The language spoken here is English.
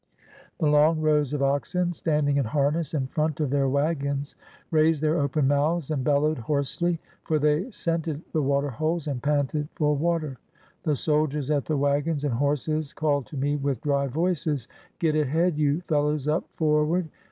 The long rows of oxen, standing in harness in front of their wagons, raised their open mouths and bellowed hoarsely, for they scented the water holes and panted 479 SOUTH AFRICA for water. The soldiers at the wagons and horses called to me with dry voices: "Get ahead, you fellows up for ward!